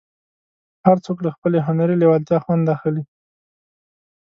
هر څوک له خپلې هنري لېوالتیا خوند اخلي.